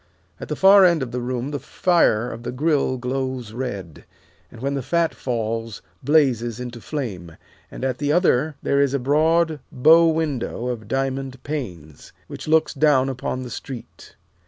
At the far end of the room the fire of the grill glows red, and, when the fat falls, blazes into flame, and at the other there is a broad bow window of diamond panes, which looks down upon the street.